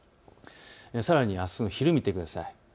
さらにあすの昼を見てください。